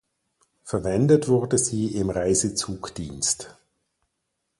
Verwendet wurde sie im Reisezugdienst.